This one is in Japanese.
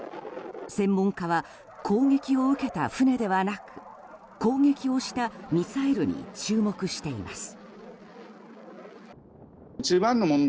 専門家は攻撃を受けた船ではなく攻撃をしたミサイルに注目しています。